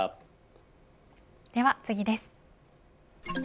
では次です。